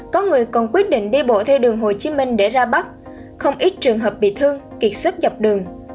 có người còn quyết định đi bộ theo đường hồ chí minh để ra bắc không ít trường hợp bị thương kiệt sức dọc đường